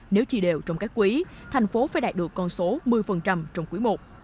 nếu trì đều trong các quý thành phố phải đạt được con số một mươi trong quý i